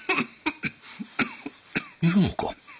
いるのか？